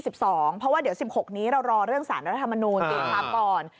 เพราะว่าเดี๋ยว๑๖นี้เรารอเรื่องสารรัฐมนูลตีความก่อน